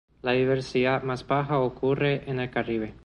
La diversidad más baja ocurre en el Caribe.